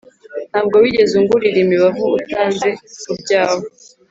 nta bwo wigeze ungurira imibavu utanze ku byawe,